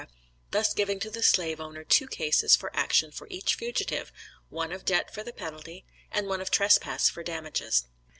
thus giving to the slave owner two cases for action for each fugitive, one of debt for the penalty, and one of trespass for damages.